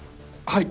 はい！